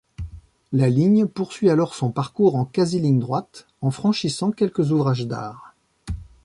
La ligne poursuit alors son parcours en quasi-ligne droite, en franchissant quelques ouvrages d'art.